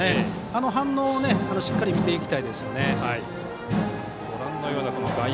あの反応をしっかり見ていきたいですよね。